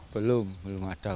belum belum ada